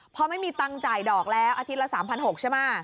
พอไม่มีตังค์จ่ายดอกแล้วอาทิตย์ละ๓๖๐๐ใช่ไหม